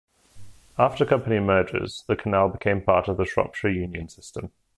After company mergers, the canal became part of the Shropshire Union System.